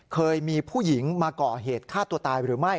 เคยมีผู้หญิงมาก่อเหตุฆ่าตัวตายหรือไม่